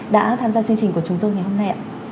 đã tham gia chương trình của chúng tôi ngày hôm nay